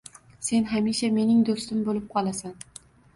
Sen hamisha mening do‘stim bo‘lib qolasan